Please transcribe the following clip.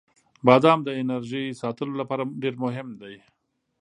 • بادام د انرژۍ ساتلو لپاره ډیر مهم دی.